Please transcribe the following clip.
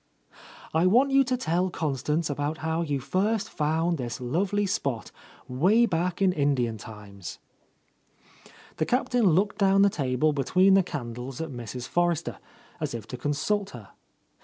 — "I want you to tell Con stance about how you first found this lovely spot, 'way back in Indian times," The Captain looked down the table between the candles at Mrs. Forrester, as if to consult her.